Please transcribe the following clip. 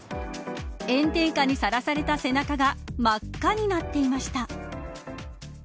炎天下にさらされた背中が真っ赤になっていました。